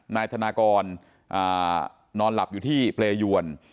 นายธนากรนอนหลับอยู่ที่เปรยวน